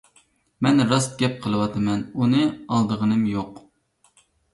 مەن راست گەپ قىلىۋاتىمەن، ئۇنى ئالدىغىنىم يوق.